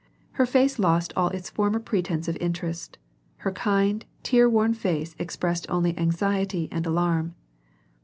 Her face lost all its former pretence of interest. Her kind, tear worn face expressed only anxiety and alarm.